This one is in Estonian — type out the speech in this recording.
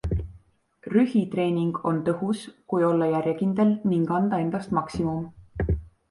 Rühitreening on tõhus, kui olla järjekindel ning anda endast maksimum.